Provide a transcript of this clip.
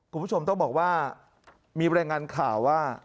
คุณผู้ชมต้องบอกว่ามีรายงานข่าวว่า